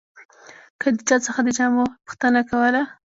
که د چا څخه د جامو پوښتنه کوله.